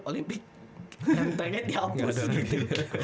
olimpik internet dihapus gitu